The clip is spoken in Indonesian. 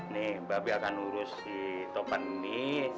nih babi akan urus si topon ini